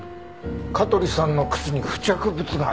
香取さんの靴に付着物があった。